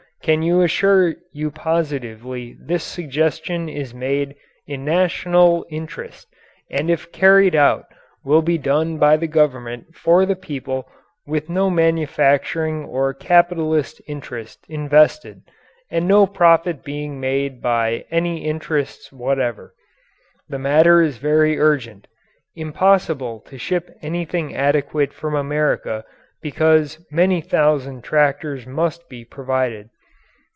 Can assure you positively this suggestion is made in national interest and if carried out will be done by the Government for the people with no manufacturing or capitalist interest invested and no profit being made by any interests whatever. The matter is very urgent. Impossible to ship anything adequate from America because many thousand tractors must be provided.